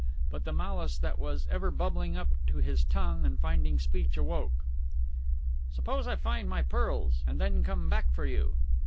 But the malice that was ever bubbling up to his tongue and finding speech awoke. "Suppose I find my pearls and then come back for you?